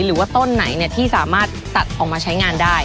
หรือว่าต้นไหนที่สามารถตัดออกมาใช้งานได้